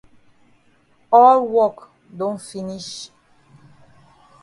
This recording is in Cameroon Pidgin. All wok don finish.